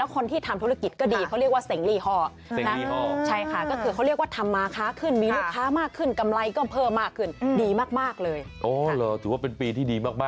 คนที่เกิดในปีวอกค่ะ